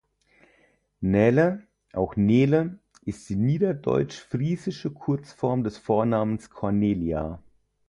Nele, auch Neele, ist die niederdeutsch-friesische Kurzform des Vornamens Cornelia.